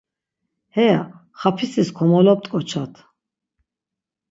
Heya xapisis komolop̌t̆ǩoçat.